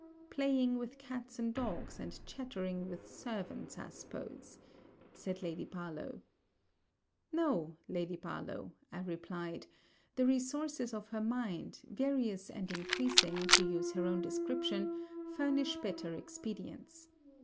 'Playing with cats and dogs, and chattering with servants, I suppose,' said Lady Barlowe. 'No, Lady Barlowe,' I replied, 'the resources of her mind, various and increasing, to use her own description, furnish better expedients.